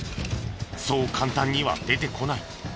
そう簡単には出てこない。